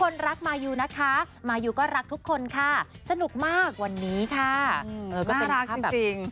น่ารักจริง